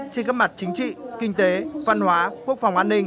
trên các mặt chính trị kinh tế văn hóa quốc phòng an ninh